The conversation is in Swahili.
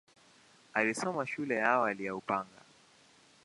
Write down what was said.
Alisoma shule ya awali ya Upanga.